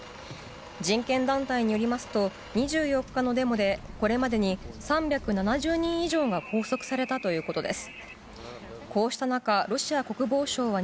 人権団体によりますと、２４日のデモで、これまでに３７０人以上が拘束されたということです。